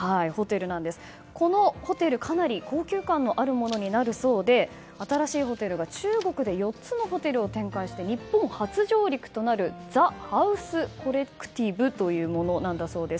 このホテル、かなり高級感のあるものになるそうで新しいホテルが中国で４つのホテルを展開して日本初上陸となるザ・ハウス・コレクティブというものなんだそうです。